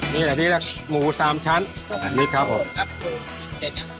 นี่แหละที่แรกหมูสามชั้นสองอันนี้ครับผมครับ